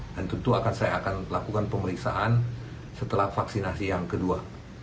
dan tentu saya akan melakukan pemeriksaan setelah vaksinasi yang kedua